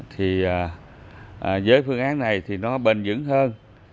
thì với phương án này thì nó bền dững hơn